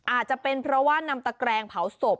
อาจจะเป็นเพราะว่านำตะแกรงเผาศพ